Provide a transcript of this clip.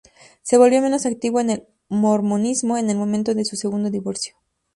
Se volvió menos activo en el mormonismo en el momento de su segundo divorcio.